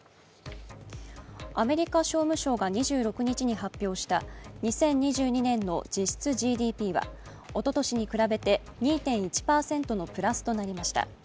アメリカ商務省が２６日に発表した２０２２年の実質ＧＤＰは、おととしに比べて２．１％のプラスとなりました。